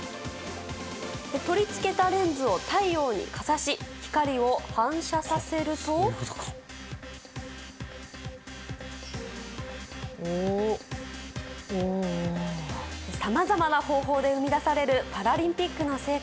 取り付けたレンズを太陽にかざし光に反射させるとさまざまな方法で生み出されるパラリンピックの聖火。